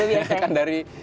udah biasa ya